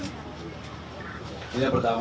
ini yang pertama